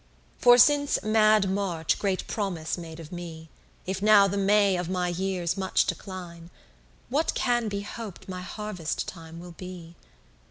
For since mad March great promise made of me, If now the May of my years much decline, What can be hoped my harvest time will be?